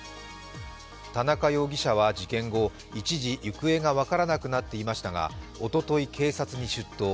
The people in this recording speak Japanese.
田中容疑者は事件後、一時行方が分からなくなっていましたがおととい警察に出頭。